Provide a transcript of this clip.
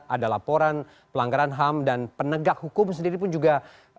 ada laporan pelanggaran ham dan penegak hukum sendiri pun juga